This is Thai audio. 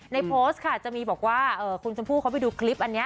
โพสต์ค่ะจะมีบอกว่าคุณชมพู่เขาไปดูคลิปอันนี้